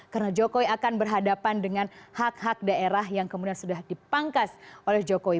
karena jokowi akan berhadapan dengan hak hak daerah yang kemudian sudah dipangkas oleh jokowi